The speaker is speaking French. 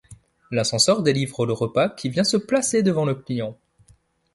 L'ascenseur délivre le repas qui vient se placer devant le client.